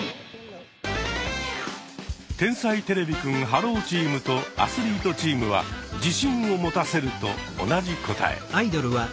天才てれびくんｈｅｌｌｏ，チームとアスリートチームは「自信を持たせる」と同じ答え。